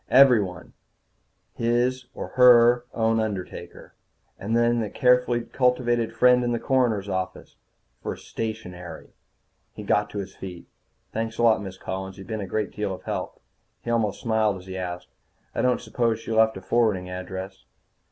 Everyone his, or her, own undertaker. And the carefully cultivated friend in the coroner's office. For stationery. He got to his feet. "Thanks a lot, Miss Collins. You've been a great deal of help." He almost smiled as he asked, "I don't suppose she left a forwarding address?"